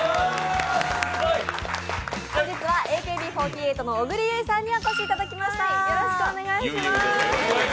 本日はＡＫＢ４８の小栗有以さんにお越しいただきました。